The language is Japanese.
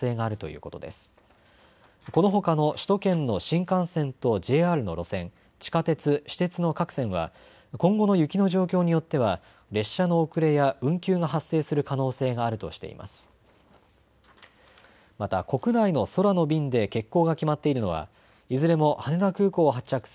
このほかの首都圏の新幹線とＪＲの路線、地下鉄、私鉄の各線は今後の雪の状況によっては列車の遅れや運休が発生する可能性があるとしています。